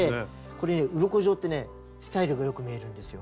これねうろこ状ってねスタイルがよく見えるんですよ。